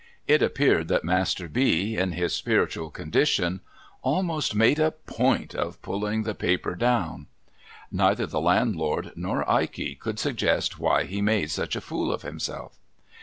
It appeared that Master B., in his spiritual condition, almost made a point of pulling the paper down. Neither the landlord nor Ikey could suggest why he made such a fool of himself.